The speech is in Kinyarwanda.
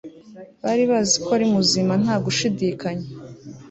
bari bazi ko ari muzima nta gushidikanya